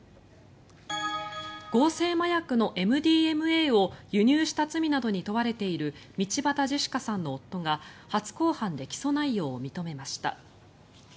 合成麻薬のＭＤＭＡを輸入した罪などに問われている道端ジェシカさんの夫が初公判で起訴内容を認めました。